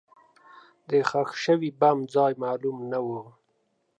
د ښخ شوي بم ځای معلوم نه و.